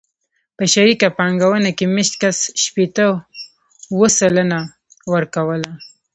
په شریکه پانګونه کې مېشت کس شپېته اووه سلنه ورکوله.